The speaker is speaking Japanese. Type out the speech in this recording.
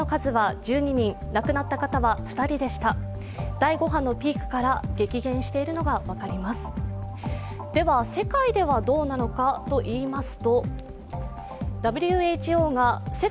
第５波のピークから激減しているのが分かります。